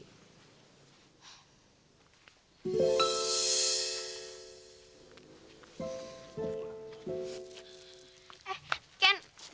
eh ken sini aku bantuin